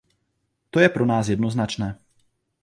To je pro nás jednoznačné.